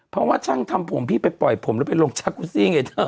เพราะว่าช่างทำผมพี่ไปปล่อยผมแล้วไปลงจากกูซี่ไงเธอ